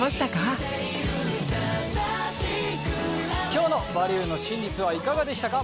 今日の「バリューの真実」はいかがでしたか？